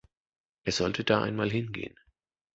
Er sollte da einmal hingehen.